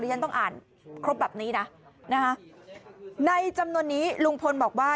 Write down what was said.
ฉันต้องอ่านครบแบบนี้นะนะคะในจำนวนนี้ลุงพลบอกว่า